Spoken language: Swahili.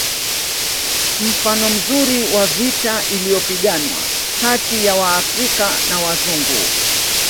Mfano mzuri wa vita iliyopiganwa kati ya Waafrika na Wazungu